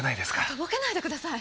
とぼけないでください。